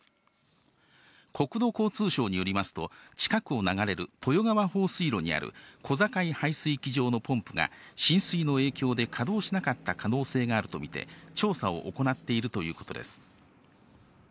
国土交通省によりますと、近くを流れる豊川放水路にある小坂井排水機場のポンプが、浸水の影響で稼働しなかった可能性があると見て、調査を行っているということです。